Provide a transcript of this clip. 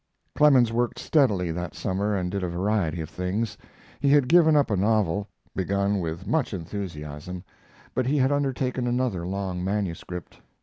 Clemens worked steadily that summer and did a variety of things. He had given up a novel, begun with much enthusiasm, but he had undertaken another long manuscript.